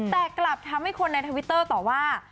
แต่กลับทำให้คนในทวิตเตอร์ต่อว่า